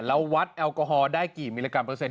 แล้ววัดแอลกอฮอล์ได้กี่มิลลิกรัเปอร์เซ็